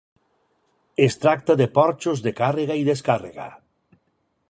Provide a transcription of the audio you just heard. Es tracta de porxos de càrrega i descàrrega.